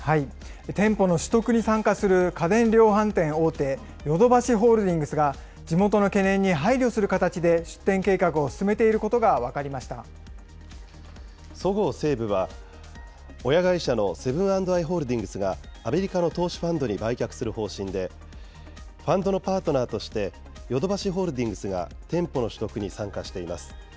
店舗の取得に参加する家電量販店大手、ヨドバシホールディングスが、地元の懸念に配慮する形で出店計画を進めていることが分そごう・西武は、親会社のセブン＆アイ・ホールディングスがアメリカの投資ファンドに売却する方針で、ファンドのパートナーとして、ヨドバシホールディングスが店舗の取得に参加しています。